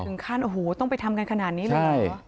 ถึงขั้นโอ้โหต้องไปทำกันขนาดนี้เลยเหรอ